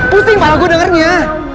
pusing pak gue dengernya